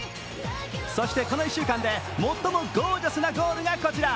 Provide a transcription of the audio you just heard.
そして、この１週間で最もゴージャスなゴールがこちら。